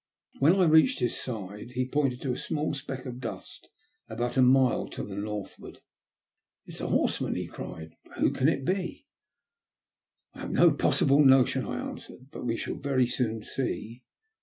When I reached his side, he pointed to a small speck of dust about a mile to the north ward. ''It's a horseman/' he cried; "but who can it be?" "I have no possible notion/' I answered; "but we shall very soon see."